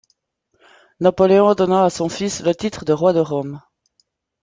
Napoléon donna à son fils le titre de roi de Rome.